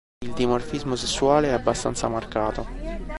Il dimorfismo sessuale è abbastanza marcato.